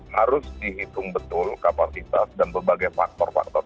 harus dihitung betul kapasitas dan berbagai faktor faktor